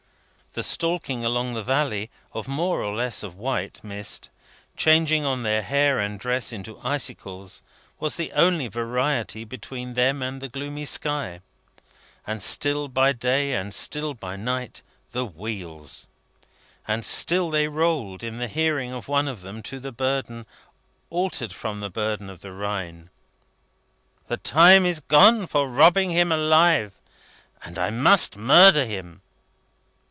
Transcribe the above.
The stalking along the valley of more or less of white mist, changing on their hair and dress into icicles, was the only variety between them and the gloomy sky. And still by day, and still by night, the wheels. And still they rolled, in the hearing of one of them, to the burden, altered from the burden of the Rhine: "The time is gone for robbing him alive, and I must murder him."